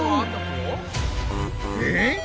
えっ？